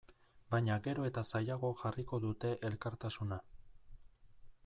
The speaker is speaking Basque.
Baina gero eta zailago jarriko dute elkartasuna.